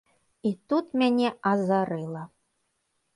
І тут мяне азарыла!